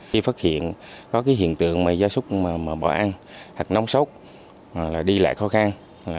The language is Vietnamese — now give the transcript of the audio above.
khi phát hiện có hiện tượng giả xúc bỏ ăn hạt nóng sốt đi lại khó khăn